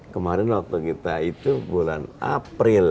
kemarin waktu kita itu bulan april